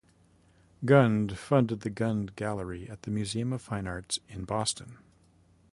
Gund funded the Gund Gallery at the Museum of Fine Arts in Boston.